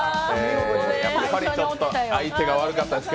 やっぱりちょっと今日は相手が悪かったです。